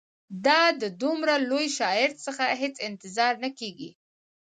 دا د دومره لوی شاعر څخه هېڅ انتظار نه کیږي.